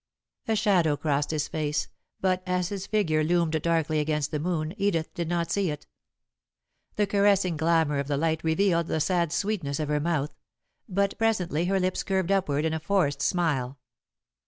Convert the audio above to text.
A shadow crossed his face, but, as his figure loomed darkly against the moon, Edith did not see it. The caressing glamour of the light revealed the sad sweetness of her mouth, but presently her lips curved upward in a forced smile.